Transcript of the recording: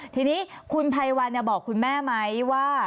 ทีนี้คุณภัยวันบอกคุณแม่ไหมว่า